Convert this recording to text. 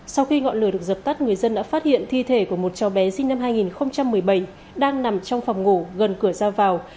sau khi ngọn lửa được dập tắt người dân đã phát hiện thi thể của một cháu bé sinh năm hai nghìn một mươi bảy đang nằm trong phòng ngủ gần cửa ra vào